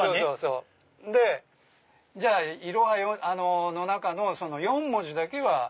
じゃあいろはの中の４文字だけは。